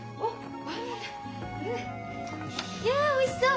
やおいしそう！